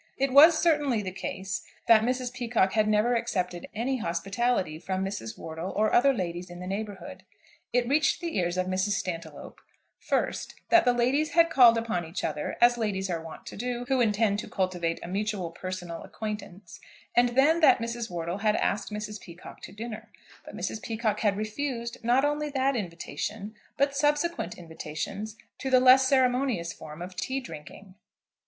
It was certainly the case that Mrs. Peacocke had never accepted any hospitality from Mrs. Wortle or other ladies in the neighbourhood. It reached the ears of Mrs. Stantiloup, first, that the ladies had called upon each other, as ladies are wont to do who intend to cultivate a mutual personal acquaintance, and then that Mrs. Wortle had asked Mrs. Peacocke to dinner. But Mrs. Peacocke had refused not only that invitation, but subsequent invitations to the less ceremonious form of tea drinking.